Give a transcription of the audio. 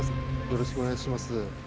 よろしくお願いします。